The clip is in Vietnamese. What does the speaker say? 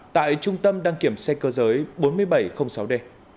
tại trung tâm đăng kiểm xe cơ giới bốn nghìn bảy trăm linh sáu d